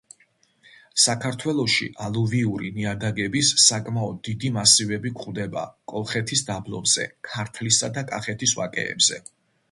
საქართველოში ალუვიური ნიადაგების საკმაოდ დიდი მასივები გვხვდება კოლხეთის დაბლობზე, ქართლისა და კახეთის ვაკეებზე.